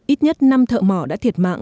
ít nhất năm thợ mỏ đã thiệt mạng